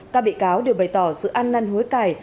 các bị cáo đều bày tỏ sự ăn năn hối cài